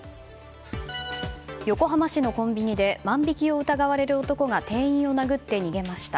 横浜市のコンビニで万引きを疑われる男が店員を殴って逃げました。